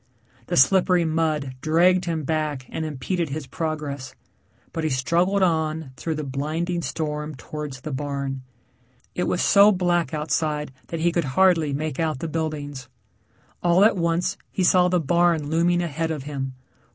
The slippery mud dragged him back and impeded his progress, but he struggled on through the blinding storm towards the barn. It was so black outside that he could hardly make out the buildings. All at once he saw the barn looming ahead of him.